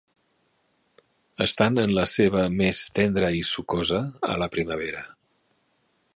Estan en la seva més tendra i sucosa a la primavera.